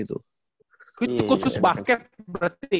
itu khusus basket berarti